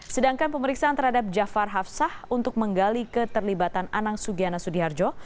sedangkan pemeriksaan terhadap jafar hafsah untuk menggali keterlibatan anang sugiana sudiharjo